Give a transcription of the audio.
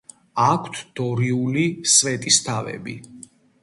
აქვთ დორიული სვეტისთავები.